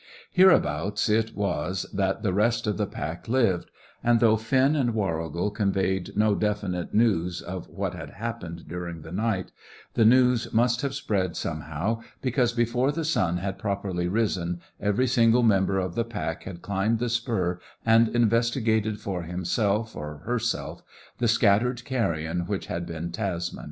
Hereabouts it was that the rest of the pack lived; and, though Finn and Warrigal conveyed no definite news of what had happened during the night, the news must have spread somehow, because before the sun had properly risen every single member of the pack had climbed the spur and investigated for himself or herself the scattered carrion which had been Tasman.